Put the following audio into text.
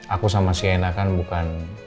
aku sama siena kan bukan